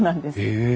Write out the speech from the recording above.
へえ。